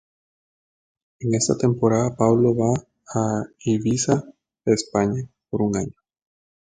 En esta temporada, Pablo va a Ibiza, España por un año.